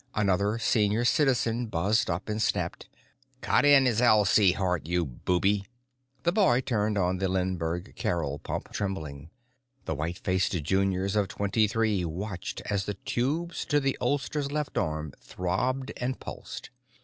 Another Senior Citizen buzzed up and snapped: "Cut in his L C heart, you booby!" The boy turned on the Lindbergh Carrel pump, trembling. The white faced juniors of Twenty Three watched as the tubes to the oldster's left arm throbbed and pulsed.